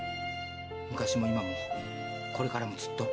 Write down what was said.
昔も今もこれからもずっと。